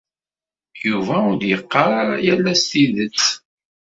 Yuba ur d-yeqqar ara yal ass tidet.